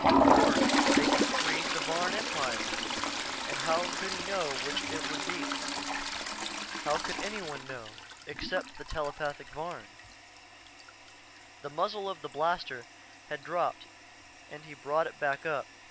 Or they could create the Varn Empire ... and how could he know which it would be? How could anyone know except the telepathic Varn? The muzzle of the blaster had dropped and he brought it back up.